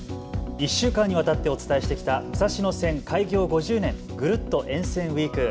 １週間にわたってお伝えしてきた武蔵野線開業５０年ぐるっと沿線ウイーク。